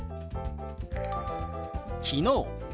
「昨日」。